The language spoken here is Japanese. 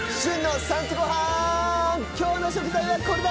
今日の食材はこれだ！